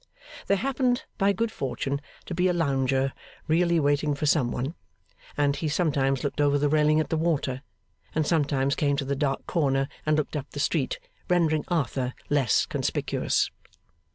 There happened, by good fortune, to be a lounger really waiting for some one; and he sometimes looked over the railing at the water, and sometimes came to the dark corner and looked up the street, rendering Arthur less conspicuous.